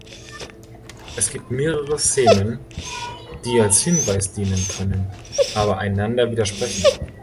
Es gibt mehrere Szenen, die als Hinweis dienen können, aber einander widersprechen.